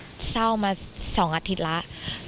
แพทย์เศร้ามาศาล๒อาทิตย์แล้ว